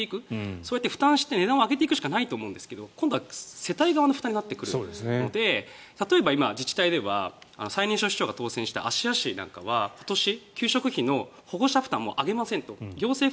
そうやって負担をして値段を上げていくしかないんですが今度は世帯側の負担になってくるので例えば、今、自治体では最年少市長が当選した芦屋市とかは今年給食費の保護者負担も上げませんと。